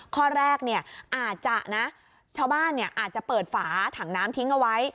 ข้อแรกอาจจะนะชาวบ้านอาจจะเปิดฝาถังน้ำทิ้งเอาไว้